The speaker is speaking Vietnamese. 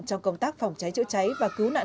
trong công tác phòng cháy chữa cháy và cứu nạn